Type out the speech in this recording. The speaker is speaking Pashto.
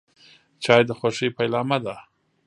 چای د خوښۍ پیلامه ده.